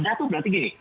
ada tuh berarti gini